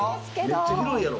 めっちゃ広いやろ？